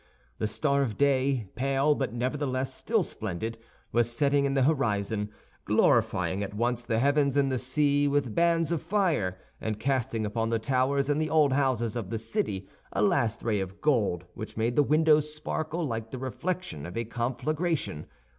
The star of day, pale but nevertheless still splendid, was setting in the horizon, glorifying at once the heavens and the sea with bands of fire, and casting upon the towers and the old houses of the city a last ray of gold which made the windows sparkle like the reflection of a conflagration.